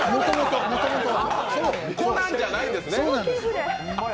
コナンじゃないんですね。